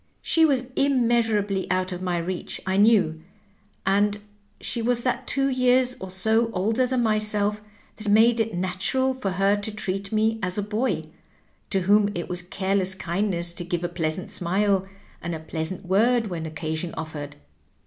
She was immeasurably out of my reach, I knew; and she was that two years or so older than myself that made it nat ural for her to treat me as a boy, to whom it was a care less kindness to give a pleasant smile, and a pleasant word when occasion oJSered.